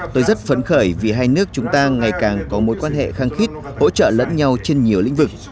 tôi rất phấn khởi vì hai nước chúng ta ngày càng có mối quan hệ khăng khít hỗ trợ lẫn nhau trên nhiều lĩnh vực